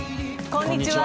こんにちは。